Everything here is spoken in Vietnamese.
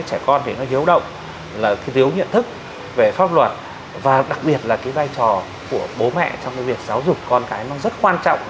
trẻ con thì nó hiếu động là cái thiếu nhận thức về pháp luật và đặc biệt là cái vai trò của bố mẹ trong cái việc giáo dục con cái nó rất quan trọng